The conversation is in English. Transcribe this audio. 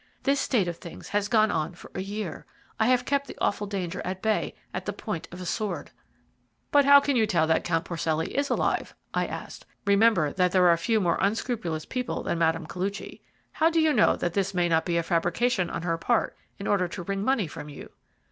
This state of things has gone on for a year. I have kept the awful danger at bay at the point of the sword." "But how can you tell that Count Porcelli is alive?" I asked. "Remember that there are few more unscrupulous people than Mme. Koluchy. How do you know that this may not be a fabrication on her part in order to wring money from you?"